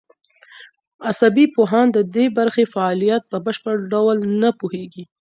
عصبي پوهان د دې برخې فعالیت په بشپړ ډول نه پوهېږي.